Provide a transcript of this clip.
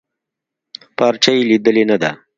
پارچه يې ليدلې نده.